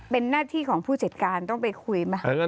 เป็นหน้าที่ของผู้จัดการต้องไปคุยไหม